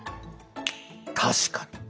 確かに。